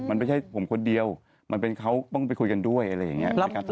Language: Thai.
มันไม่ใช่ผมคนเดียวมันเป็นเขาต้องไปคุยกันด้วยอะไรอย่างนี้